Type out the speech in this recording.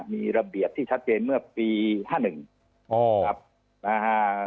มีระเบียบที่ชัดเจนเมื่อปีห้าหนึ่งอ๋อครับนะฮะ